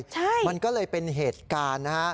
ใช่มันก็เลยเป็นเหตุการณ์นะฮะ